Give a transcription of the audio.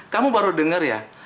kamu baru denger ya